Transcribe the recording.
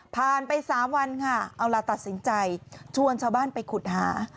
ผ่านไป๓วันค่ะเอาล่ะตัดสินใจชวนชาวบ้านไปขุดหา